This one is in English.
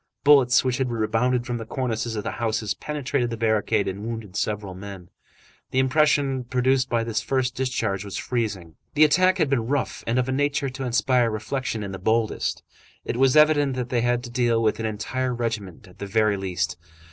Bullets which had rebounded from the cornices of the houses penetrated the barricade and wounded several men. The impression produced by this first discharge was freezing. The attack had been rough, and of a nature to inspire reflection in the boldest. It was evident that they had to deal with an entire regiment at the very least.